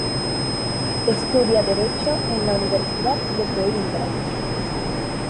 Estudia Derecho en la Universidad de Coímbra.